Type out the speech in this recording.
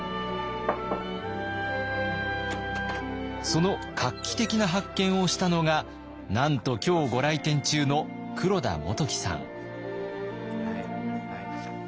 その画期的な発見をしたのがなんと今日ご来店中の黒田基樹さん。